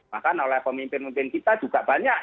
bahkan oleh pemimpin pemimpin kita juga banyak